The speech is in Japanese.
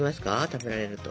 食べられると。